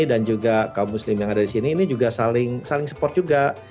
dan juga kaum muslim yang ada di sini ini juga saling support juga